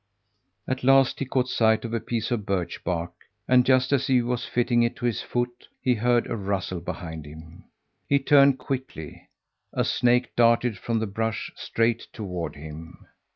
At last he caught sight of a piece of birch bark, and just as he was fitting it to his foot he heard a rustle behind him. He turned quickly. A snake darted from the brush straight toward him!